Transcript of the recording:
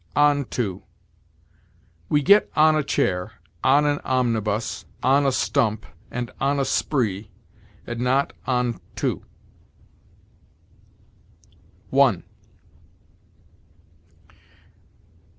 ON TO. We get on a chair, on an omnibus, on a stump, and on a spree, and not on to. ONE.